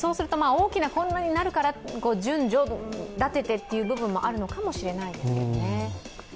大きな混乱になるから順序立ててという部分もあるのかもしれないですけどね。